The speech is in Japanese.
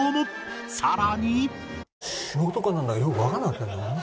さらに